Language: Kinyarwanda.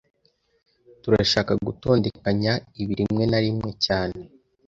Turashaka gutondekanya ibi rimwe na rimwe cyane